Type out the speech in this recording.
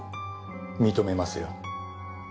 認めますよ。